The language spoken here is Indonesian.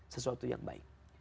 sesuatu yang baik